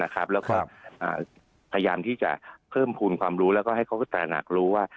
แล้วก็พยายามที่จะเพิ่มภูมิความรู้แล้วก็ให้เขาตระหนักรู้ว่า